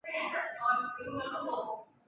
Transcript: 大花裂瓜为葫芦科裂瓜属下的一个种。